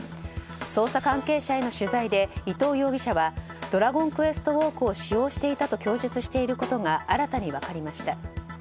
捜査関係者への取材で伊藤容疑者は「ドラゴンクエストウォーク」を使用していたと供述していることが新たに分かりました。